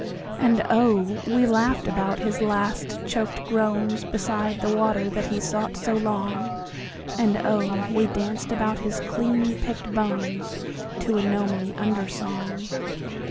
And oh, we laughed about his last choked groansBeside the water that he sought so long, And oh, we danced about his clean picked bonesTo a gnomy undersong.